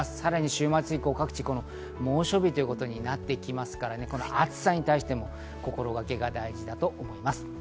週末以降、各地猛暑日ということになってきますから、暑さに対しても心がけが大事だと思います。